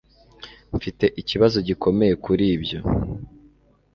Mfite ikibazo gikomeye kuri ibyo